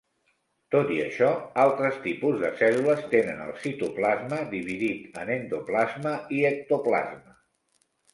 Tot i això, altres tipus de cèl·lules tenen el citoplasma dividit en endoplasma i ectoplasma.